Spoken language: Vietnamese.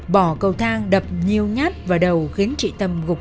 bỏ cầu thang đập nhiêu nhát vào đầu khiến chị tâm gục trên giường